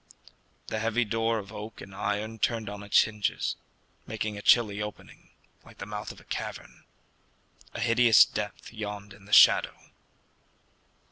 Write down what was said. The heavy door of oak and iron turned on its hinges, making a chilly opening, like the mouth of a cavern. A hideous depth yawned in the shadow.